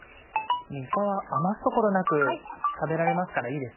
いかは余す所なく食べられますからいいですね。